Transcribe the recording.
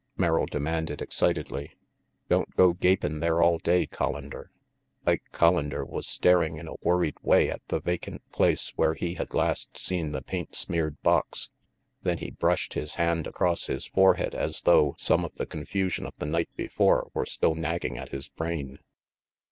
Merrill demanded excitedly. "Don't go gapin' there all day, (Hollander." Ike (Hollander was staring in a worried way at the vacant place where he had last seen the paint smeared box. Then he brushed his hand across his forehead as though some of the confusion of the night before were still nagging at his brain.